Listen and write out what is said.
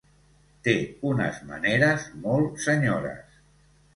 Té unes maneres molt senyores.